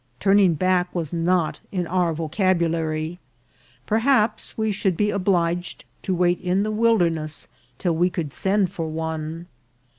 Turning back was not in our vocabulary; perhaps we should be obliged to wait in the wilderness till we could send for one.